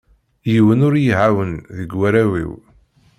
Yiwen ur i yi-ɛawen deg waraw-iw.